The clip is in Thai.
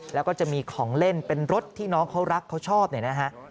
แล้วก็จะมีของเล่นเป็นรถที่น้องเขารักเขาชอบเนี่ยนะฮะ